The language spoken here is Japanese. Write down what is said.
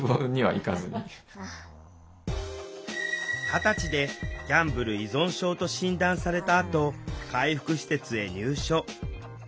二十歳でギャンブル依存症と診断されたあと回復施設へ入所。